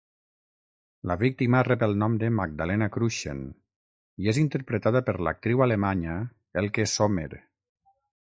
La víctima rep el nom de Magdalena Kruschen i és interpretada per l'actriu alemanya Elke Sommer.